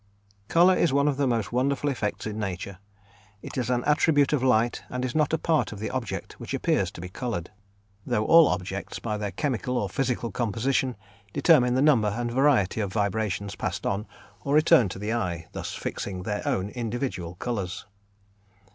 Colour is one of the most wonderful effects in nature. It is an attribute of light and is not a part of the object which appears to be coloured; though all objects, by their chemical or physical composition, determine the number and variety of vibrations passed on or returned to the eye, thus fixing their own individual colours.